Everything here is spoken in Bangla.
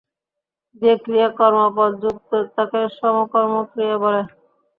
যে ক্রিয়া কর্মপদযুক্ত তাকে সকর্মক ক্রিয়া বলে।